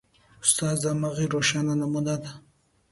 استاد د همغږۍ روښانه نمونه ده.